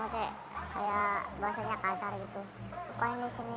saya keluar dari ini